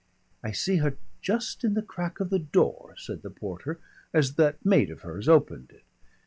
"I see her just in the crack of the door," said the porter, "as that maid of hers opened it.